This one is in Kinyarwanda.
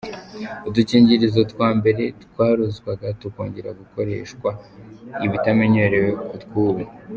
Udukingirizo twa mbere twarozwaga tukongera gukoreshwa ibitamenyerewe ku tw’ubu.